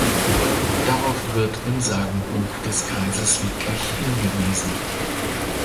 Darauf wird im Sagenbuch des Kreises Wittlich hingewiesen.